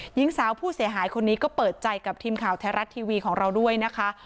หญิงสาวผู้เสียหายคนนี้ก็เปิดใจกับทีมข่าวไทยรัฐทีวีของเราด้วยนะคะ